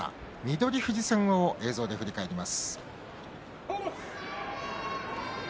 翠富士戦を映像で振り返ります。